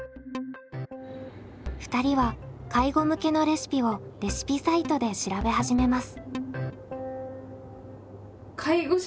２人は介護向けのレシピをレシピサイトで調べ始めます。